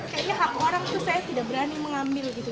kayaknya hak orang itu saya tidak berani mengambil gitu